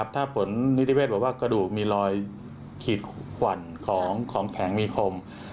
ถ้าผลนิติเวศบอกว่ากระดูกมีรอยขีดขวั่นของแผงมีคม